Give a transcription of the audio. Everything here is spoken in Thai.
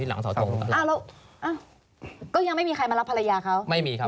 หลังเสาทงอ้าวแล้วอ้าวก็ยังไม่มีใครมารับภรรยาเขาไม่มีครับ